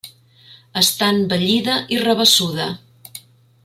Està envellida i rabassuda.